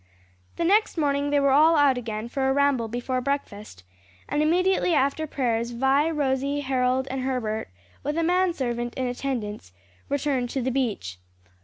The next morning they were all out again for a ramble before breakfast, and immediately after prayers Vi, Rosie, Harold and Herbert, with a man servant in attendance, returned to the beach.